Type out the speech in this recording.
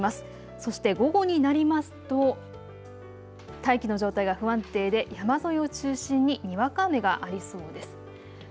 そして午後になりますと大気の状態が不安定で山沿いを中心ににわか雨がありそうです。